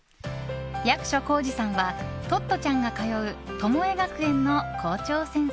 役所広司さんはトットちゃんが通うトモエ学園の校長先生。